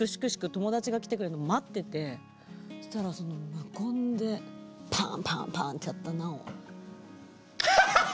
友達が来てくれるの待っててそしたらその無言でパンパンパンってやったナンを。